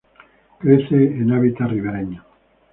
Crece en hábitat ribereño.